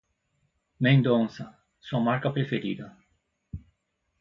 "Mendonça! Sua marca preferida.